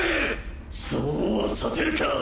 そうはさせるか。